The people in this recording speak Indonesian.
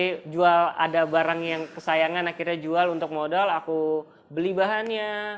jadi jual ada barang yang kesayangan akhirnya jual untuk modal aku beli bahannya